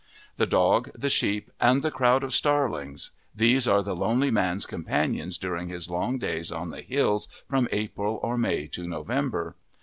The dog, the sheep, and the crowd of starlings these are the lonely man's companions during his long days on the hills from April or May to November.